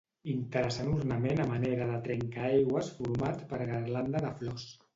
Interessant ornament a manera de trencaaigües format per garlanda de flors.